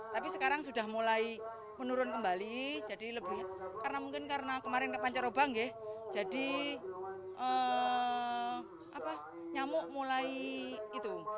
tapi sekarang sudah mulai menurun kembali karena mungkin kemarin pancar obang ya jadi nyamuk mulai itu